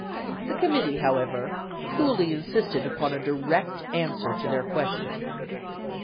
The committee, however, coolly insisted upon a direct answer to their question.